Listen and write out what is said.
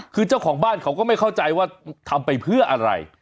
คือเจ้าของบ้านเขาก็ไม่เข้าใจว่าทำไปเพื่ออะไร